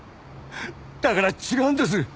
だから違うんです！